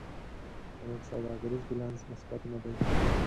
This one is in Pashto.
زموږ سوداګریز بیلانس مثبت نه دی.